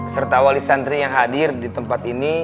serta wali santri yang hadir di tempat ini